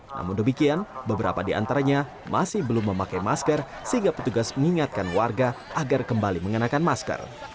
namun demikian beberapa di antaranya masih belum memakai masker sehingga petugas mengingatkan warga agar kembali mengenakan masker